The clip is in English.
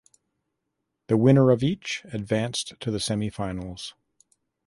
The winner of each advanced to the semifinals.